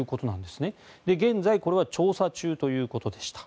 現在、これは調査中ということでした。